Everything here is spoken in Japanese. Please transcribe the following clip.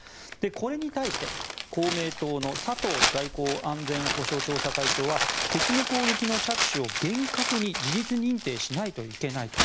これに対して、公明党の佐藤外交・安保調査会長は敵の攻撃の着手を厳格に事実認定しないといけないと。